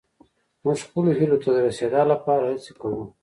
موږ خپلو هيلو ته د رسيدا لپاره هڅې کوو.